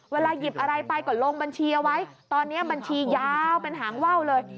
เวลาหยิบอะไรไปก็ลงบัญชีเอาไว้ตอนนี้บัญชียาวเป็นหางว่าวเลย